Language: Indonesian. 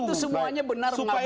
itu semuanya benar ngabali